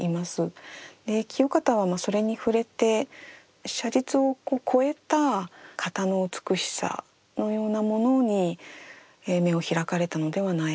清方はそれに触れて写実を超えた型の美しさのようなものに目を開かれたのではないか。